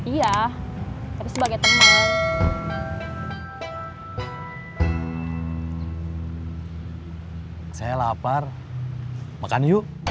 iya tapi sebagai teman